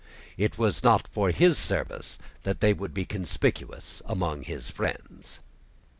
It was not for his service that they should be conspicuous among his friends.